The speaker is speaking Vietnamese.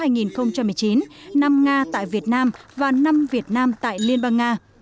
năm nga tại việt nam và năm việt nam tại liên bang nga